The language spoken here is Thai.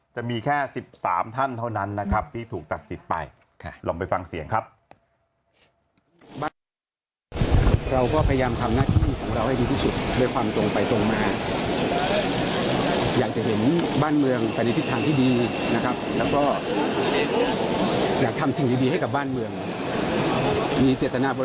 จะมีแค่๑๓ท่านเท่านั้นนะครับที่ถูกตัดสิทธิ์ไปลองไปฟังเสียงครับ